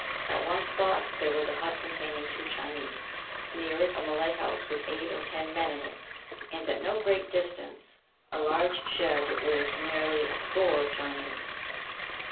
At one spot there was a hut containing two Chinese, near it a Malay house with eight or ten men in it, and at no great distance a large shed with nearly a score of Chinese.